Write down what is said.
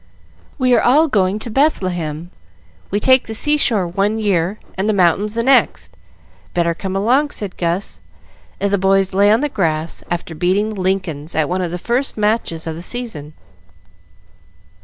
"We are all going up to Bethlehem. We take the seashore one year and the mountains the next. Better come along," said Gus, as the boys lay on the grass after beating the Lincolns at one of the first matches of the season.